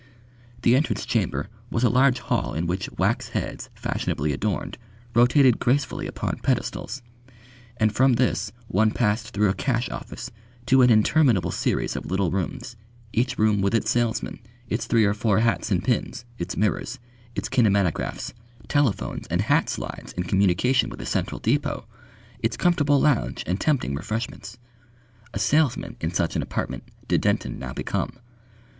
The entrance chamber was a large hall in which wax heads fashionably adorned rotated gracefully upon pedestals, and from this one passed through a cash office to an interminable series of little rooms, each room with its salesman, its three or four hats and pins, its mirrors, its kinematographs, telephones and hat slides in communication with the central depôt, its comfortable lounge and tempting refreshments. A salesman in such an apartment did Denton now become.